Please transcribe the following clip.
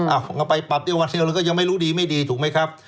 เอาไปปรับได้วันเดียวแล้วก็ยังไม่รู้ดีไม่ดีถูกไหมครับ